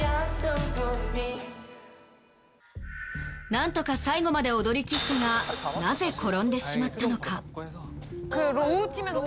なんとか最後まで踊りきったがなぜ転んでしまったのか？